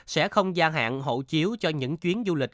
sẽ không gia hạn hộ chiếu cho những chuyến du lịch